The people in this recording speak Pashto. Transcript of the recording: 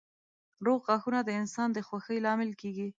روغ غاښونه د انسان د خوښۍ لامل کېږي.